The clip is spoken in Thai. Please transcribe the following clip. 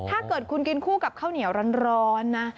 ถ้าเกิดคุณกินคู่กับข้าวเหนียวร้อนนะ